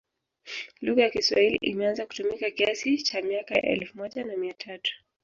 Lugha ya kiswahili imeanza kutumika kiasi cha miaka ya elfu moja na mia tatu